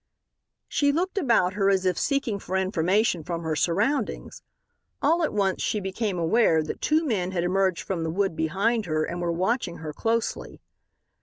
She looked about her as if seeking for information from her surroundings. All at once she became aware that two men had emerged from the wood behind her and were watching her closely.